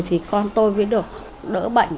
thì con tôi mới được đỡ bệnh